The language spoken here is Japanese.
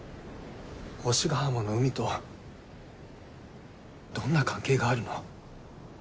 星ヶ浜の海とどんな関係があるの？